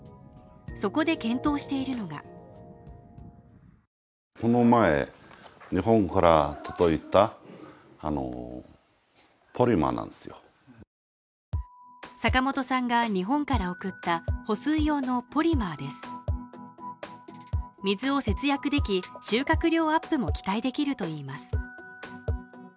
そこで検討しているのが坂本さんが日本から送った保水用のポリマーです水を節約でき収穫量アップも期待できるといいます